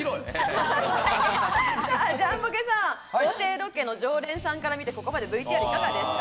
ジャンポケさん、豪邸ロケの常連さんから見て、ここまでいかがですか？